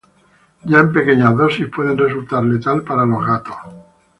Ya en pequeñas dosis puede resultar letal para los gatos.